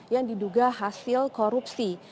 yang diduga hasil korupsi